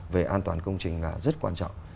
về an toàn công trình là rất quan trọng